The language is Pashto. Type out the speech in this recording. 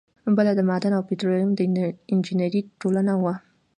بله د معدن او پیټرولیم د انجینری ټولنه وه.